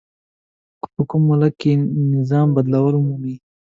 که په کوم ملک کې نظام بدلون ومومي.